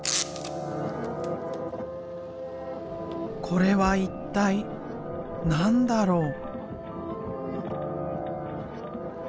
これは一体何だろう？